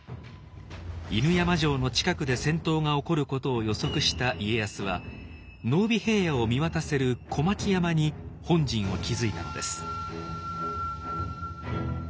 犬山城の近くで戦闘が起こることを予測した家康は濃尾平野を見渡せる小牧山に本陣を築いたのです。